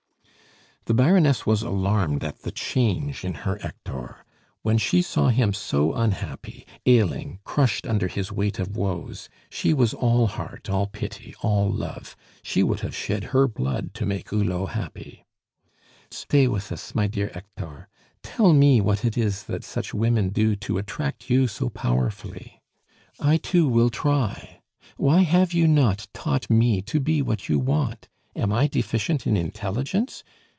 The Baroness was alarmed at the change in her Hector; when she saw him so unhappy, ailing, crushed under his weight of woes, she was all heart, all pity, all love; she would have shed her blood to make Hulot happy. "Stay with us, my dear Hector. Tell me what is it that such women do to attract you so powerfully. I too will try. Why have you not taught me to be what you want? Am I deficient in intelligence?